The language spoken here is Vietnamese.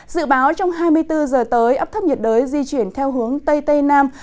dự báo trong hai mươi bốn giờ tới áp thấp nhiệt đới di chuyển theo hướng tây tây nam